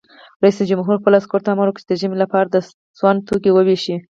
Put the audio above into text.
رئیس جمهور خپلو عسکرو ته امر وکړ؛ د ژمي لپاره د سون توکي وویشئ!